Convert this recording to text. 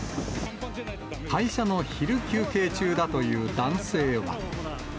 会社の昼休憩中だという男性は。